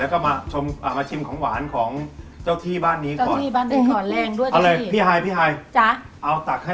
กินของหวานกันอีก